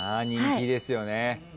人気ですよね。